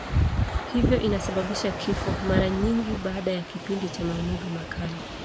Hivyo inasababisha kifo, mara nyingi baada ya kipindi cha maumivu makali.